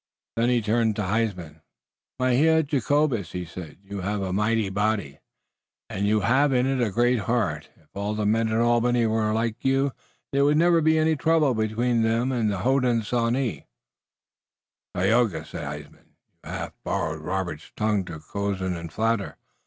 Then he turned to Huysman. "Mynheer Jacobus," he said, "you have a mighty body, and you have in it a great heart. If all the men at Albany were like you there would never be any trouble between them and the Hodenosaunee." "Tayoga," said Huysman, "you haf borrowed Robert's tongue to cozen und flatter.